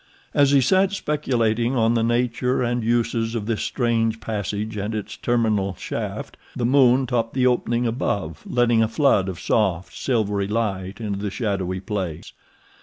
As he sat speculating on the nature and uses of this strange passage and its terminal shaft, the moon topped the opening above, letting a flood of soft, silvery light into the shadowy place.